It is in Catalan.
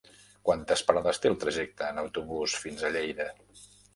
Quantes parades té el trajecte en autobús fins a Lleida?